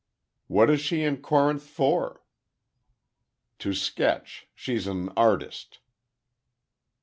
"What is she in Corinth for?" "To sketch—she's an artist."